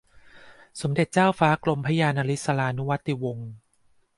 สมเด็จเจ้าฟ้ากรมพระยานริศรานุวัติวงศ์